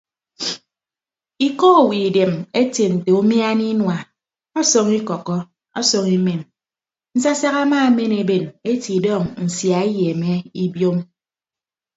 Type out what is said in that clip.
Ikọ owo idem etie nte umiana inua ọsọñ ikọkkọ ọsọñ imen nsasak amaamen eben etidọọñ nsia eyeeme ibiom.